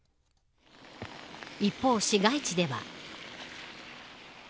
一方、市街地では。